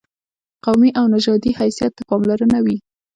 قومي او نژادي حیثیت ته پاملرنه وي.